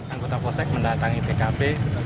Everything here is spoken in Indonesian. anggota posek mendatangi tkp